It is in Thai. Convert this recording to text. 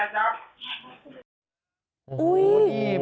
อันนี้อันนี้อย่าพึ่งขยะมากนะอย่าจับ